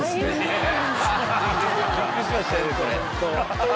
これ。